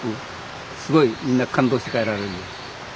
すごいみんな感動して帰られる。